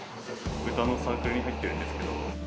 歌のサークルに入ってるんですけど。